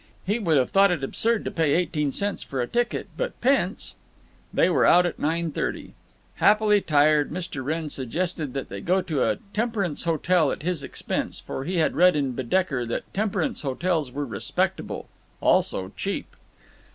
He would have thought it absurd to pay eighteen cents for a ticket, but pence—They were out at nine thirty. Happily tired, Mr. Wrenn suggested that they go to a temperance hotel at his expense, for he had read in Baedeker that temperance hotels were respectable—also cheap.